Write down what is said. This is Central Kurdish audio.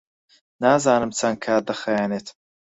نازانم چەند کات دەخایەنێت.